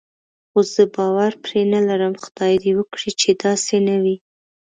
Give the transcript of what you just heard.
خو زه باور پرې نه لرم، خدای دې وکړي چې داسې نه وي.